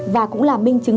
và cũng là minh chứng